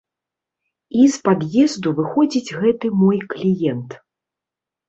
І з пад'езду выходзіць гэты мой кліент.